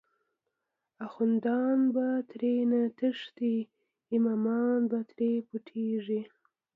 آخوندان به ترینه تښتی، امامان به تری پټیږی